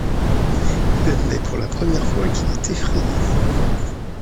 Il admet pour la première fois qu'il est effrayé.